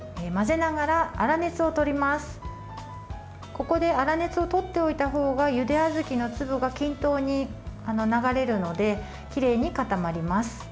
ここで粗熱をとっておいた方がゆであずきの粒が均等に流れるのできれいに固まります。